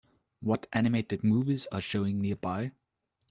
What animated movies are showing nearby